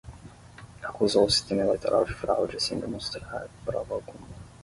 Acusou o sistema eleitoral de fraude sem demonstrar prova alguma